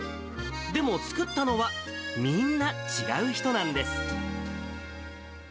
でも作ったのは、みんな違う人なんです。